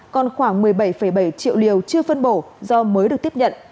còn khoảng một mươi bảy bảy triệu liều chưa phân bổ do mới được tiếp nhận